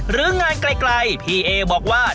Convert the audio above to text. หรืองานไกลพี่เอบอกว่า